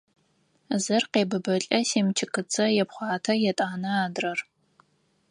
Зыр къебыбылӏэ, семчыкыцэ епхъуатэ, етӏанэ – адрэр…